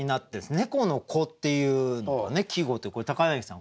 「猫の子」っていうのがね季語という柳さん